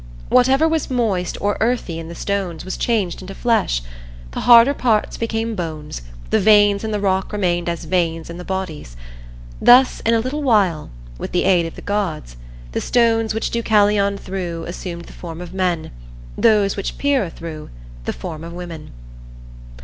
Whatever was moist or earthy in the stones was changed into flesh; the harder parts became bones; the veins in the rock remained as veins in the bodies. Thus, in a little while, with the aid of the gods, the stones which Deucalion threw assumed the form of men; those which Pyrrha threw, the form of women.